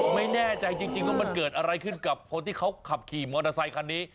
ไม่แน่ใจจริงว่ามันเกิดอะไรขึ้นกับคนที่เขาขับขี่มอเตอร์ไซคันนี้